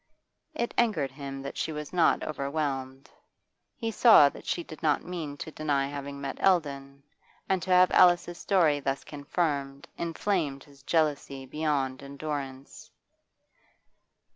It angered him that she was not overwhelmed. He saw that she did not mean to deny having met Eldon, and to have Alice's story thus confirmed inflamed his jealousy beyond endurance.